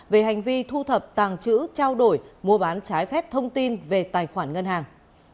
về hành vi thu thập tàng chữ trao đổi mua bán trái phép thông tin về tài khoản ngân hàng